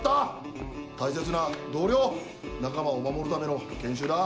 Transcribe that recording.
大切な同僚仲間を守るための研修だ。